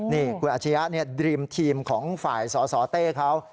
นี่คุณอาชียะดรีมทีมของฝ่ายสสเต้เขา